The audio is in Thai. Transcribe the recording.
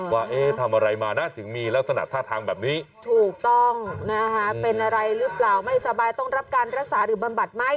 ว่าทำอะไรมานะถึงมีลักษณะท่าทางแบบนี้ถูกต้องนะคะเป็นอะไรหรือเปล่าไม่สบายต้องรับการรักษาหรือบำบัดไหม